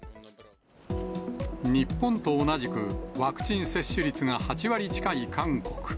日本と同じく、ワクチン接種率が８割近い韓国。